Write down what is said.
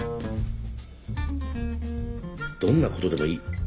「どんなことでもいい。